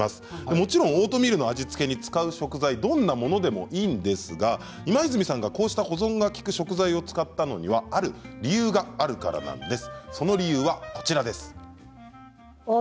もちろんオートミールの味付けに使う食材はどんなものでもいいんですが今泉さんがこうした保存が利く食材を使ったのにはある理由があるからなんです。